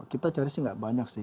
kita cari sih nggak banyak sih